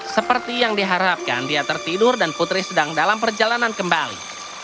seperti yang diharapkan dia tertidur dan putri sedang dalam perjalanan kembali